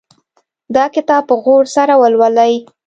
دا کتاب په غور سره ولولئ